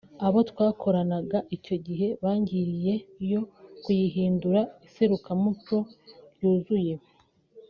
Abo twakoranaga icyo gihe bangiriye yo kuyihindura iserukiramuco ryuzuye